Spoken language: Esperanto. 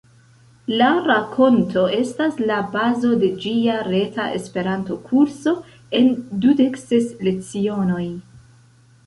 La rakonto estas la bazo de ĝia reta Esperanto-kurso en dudek ses lecionoj.